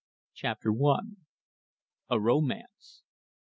CHAPTER I. A ROMANCE!